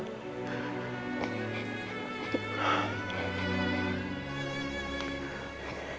pak kau harus handmade bayi